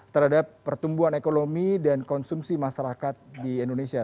terhadap pertumbuhan ekonomi dan konsumsi masyarakat di indonesia